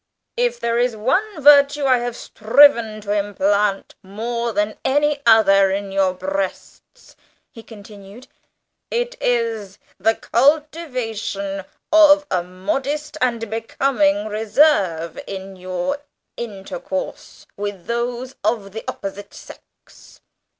"If there is one virtue which I have striven to implant more than any other in your breasts," he continued, "it is the cultivation of a modest and becoming reserve in your intercourse with those of the opposite sex.